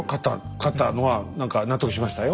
勝ったのは何か納得しましたよ。